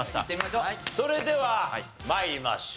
それでは参りましょう。